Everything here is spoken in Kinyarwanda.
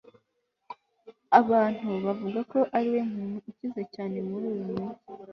Abantu bavuga ko ariwe muntu ukize cyane muri uyu mujyi